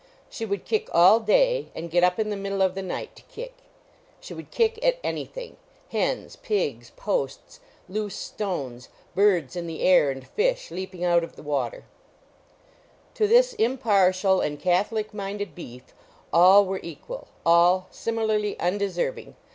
She would kick all day and get up in the middle of the night to kick. She would kick at anything hens, pigs, posts, loose stones, birds in the air and fish leaping out of the water; to this impartial and catholic minded beef, all were equal all similarly undeserving.